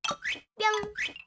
ぴょん。